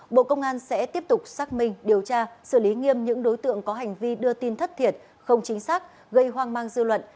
bộ công an sẽ tiếp tục xác minh điều tra xử lý nghiêm những đối tượng có hành vi đưa tin thất thiệt không chính xác gây hoang mang dư luận